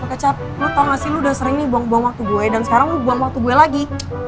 kecap lu tau gak sih lu udah sering nih buang buang waktu gue dan sekarang lu buang waktu gue lagi